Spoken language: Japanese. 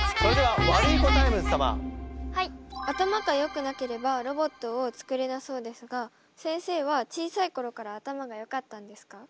頭がよくなければロボットを作れなそうですが先生は小さい頃から頭がよかったんですか？